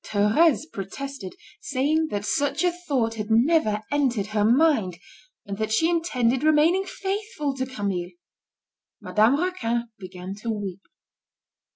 Thérèse protested, saying that such a thought had never entered her mind, and that she intended remaining faithful to Camille. Madame Raquin began to weep.